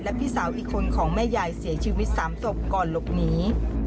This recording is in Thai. พี่สาวอีกคนของแม่ยายเสียชีวิต๓ศพก่อนหลบหนี